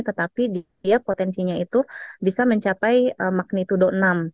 tetapi dia potensinya itu bisa mencapai magnitudo enam